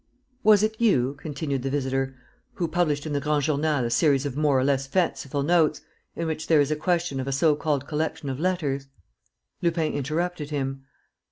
"Was it you," continued the visitor, "who published in the Grand Journal a series of more or less fanciful notes, in which there is a question of a so called collection of letters ...?" Lupin interrupted him.